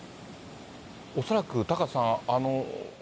恐らくタカさん。